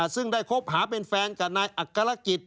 ซึ่งได้คบหาเป็นแฟนกับนายอักษรกิจ